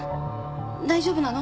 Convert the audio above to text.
大丈夫なの？